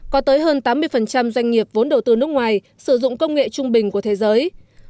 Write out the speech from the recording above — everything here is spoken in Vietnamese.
có tới hơn tám mươi doanh nghiệp vốn đầu tư nước ngoài sử dụng công nghệ trung bình của thế giới